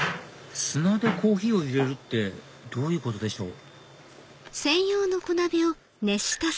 砂でコーヒーを入れるってどういうことでしょう？